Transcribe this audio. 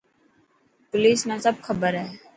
پوليس نا سب کبر هي.